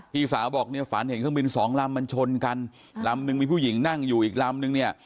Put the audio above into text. พี่สาวบอกเนี่ยฝันเห็นเครื่องบินสองลำมันชนกันลำนึงมีผู้หญิงนั่งอยู่อีกลำนึงเนี่ย